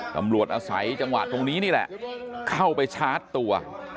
ตำรวจอาศัยจังหวะตรงนี้นี่แหละเข้าไปชาร์จตัว